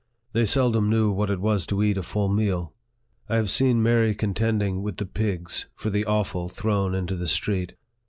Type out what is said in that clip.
They seldom knew what it was to eat a full meal. I have seen Mary contending with the pigs for the offal thrown into the street.